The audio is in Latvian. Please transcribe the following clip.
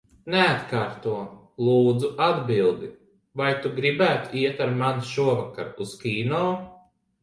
Neatkārto, lūdzu, atbildi. Vai tu gribētu iet ar mani šovakar uz kino?